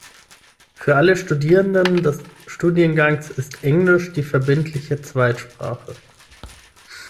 Für alle Studierenden des Studiengangs ist Englisch die verbindliche Zweitsprache.